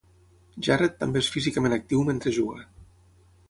Jarrett també és físicament actiu mentre juga.